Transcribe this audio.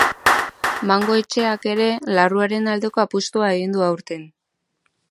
Mango etxeak ere larruaren aldeko apustua egin du aurten.